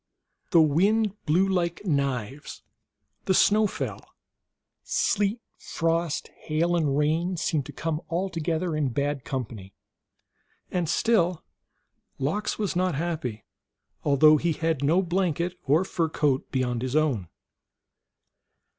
The wind blew like knives ; the snow fell ; sleet, frost, hail, and rain seemed to come all together in bad company, and still Lox was not happy, although he had no blanket or fur coat beyond his own.